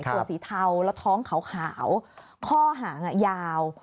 ตัวสีเทาแล้วท้องขาวข้อหางยาว